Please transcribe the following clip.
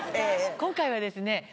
今回はですね